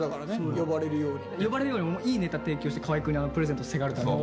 呼ばれるようにいいネタ提供して河合くんにプレゼントせがむために。